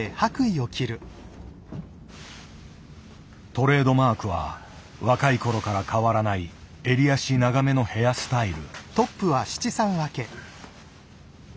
トレードマークは若いころから変わらない襟足長めのヘアスタイル。